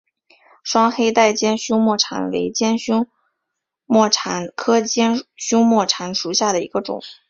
双黑带尖胸沫蝉为尖胸沫蝉科尖胸沫蝉属下的一个种。